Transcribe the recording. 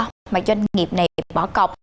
cho doanh nghiệp này bỏ cọc